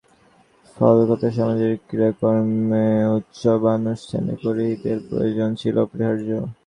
ফলকথা, সমাজের ক্রিয়াকর্মে, উৎসবানুষ্ঠানে পুরোহিতের প্রয়োজন ছিল অপরিহার্য।